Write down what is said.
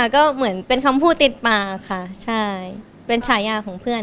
ก็เหมือนเป็นคำพูดติดปากค่ะใช่เป็นฉายาของเพื่อน